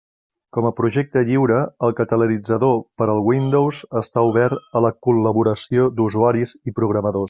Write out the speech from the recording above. Com a projecte lliure, el Catalanitzador per al Windows està obert a la col·laboració d'usuaris i programadors.